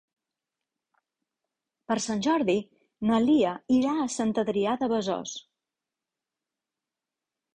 Per Sant Jordi na Lia irà a Sant Adrià de Besòs.